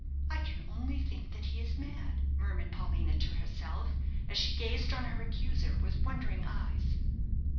"I can only think that he is mad," murmured Paulina to herself, as she gazed on her accuser with wondering eyes.